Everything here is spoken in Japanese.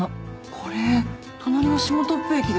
これ隣の下徳富駅です。